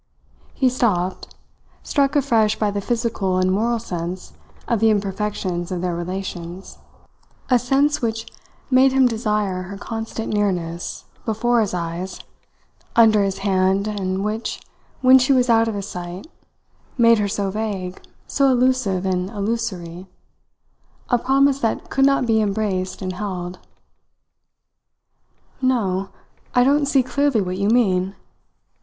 He stopped, struck afresh by the physical and moral sense of the imperfections of their relations a sense which made him desire her constant nearness, before his eyes, under his hand, and which, when she was out of his sight, made her so vague, so elusive and illusory, a promise that could not be embraced and held. "No! I don't see clearly what you mean.